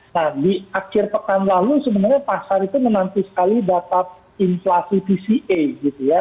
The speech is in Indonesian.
nah di akhir pekan lalu sebenarnya pasar itu menanti sekali dapat inflasi tca gitu ya